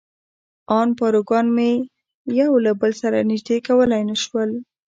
ان پاروګان مې یو له بل سره نژدې کولای نه شول.